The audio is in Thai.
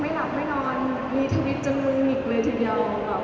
เห็นหลายคนบอกว่าไม่หลับไม่นอนมีทวิทย์จำนวงอีกเวลาทีเดียว